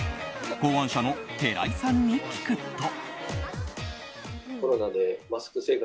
考案者の寺井さんに聞くと。